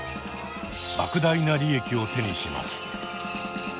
莫大な利益を手にします。